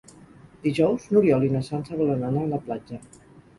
Dijous n'Oriol i na Sança volen anar a la platja.